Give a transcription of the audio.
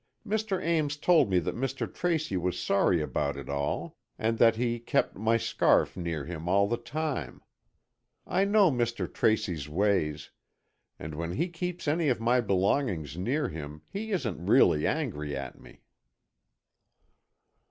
Mr. Ames told me that Mr. Tracy was sorry about it all, and that he kept my scarf near him all the time. I know Mr. Tracy's ways, and when he keeps any of my belongings near him, he isn't really angry at me."